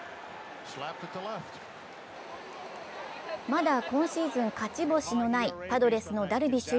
まだ今シーズン勝ち星のないパドレスのダルビッシュ